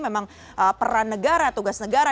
memang peran negara tugas negara